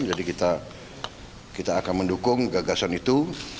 jadi kita akan mendukung gagasan itu